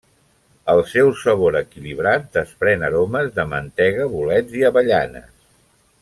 El seu sabor equilibrat desprèn aromes de mantega, bolets i avellanes.